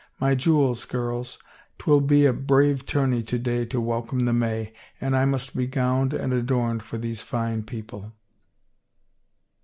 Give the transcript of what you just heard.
" My jewels, girls. 'Twill be a brave tourney to day to welcome the May and I must be gowned and adorned for these fine people."